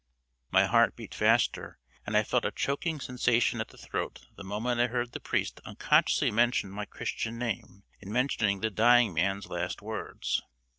'" My heart beat faster, and I felt a choking sensation at the throat the moment I heard the priest unconsciously mention my Christian name in mentioning the dying man's last words.